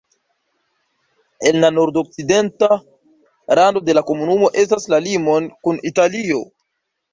En la nordokcidenta rando de la komunumo estas la limon kun Italio.